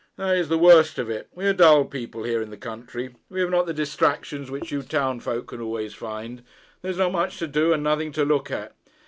'That is the worst of it. We are dull people here in the country. We have not the distractions which you town folk can always find. There's not much to do, and nothing to look at.'